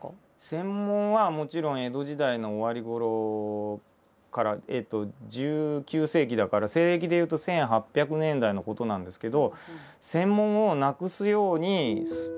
専門はもちろん江戸時代の終わりごろから１９世紀だから西暦でいうと１８００年代のことなんですけど。